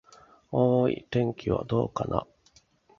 おーーい、天気はどうかな。